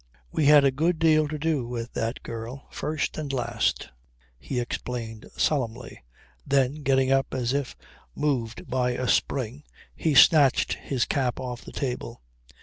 "We had a good deal to do with that girl first and last," he explained solemnly; then getting up as if moved by a spring he snatched his cap off the table.